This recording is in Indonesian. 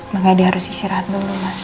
makanya dia harus istirahat dulu mas